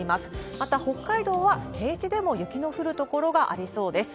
また、北海道は平地でも雪の降る所がありそうです。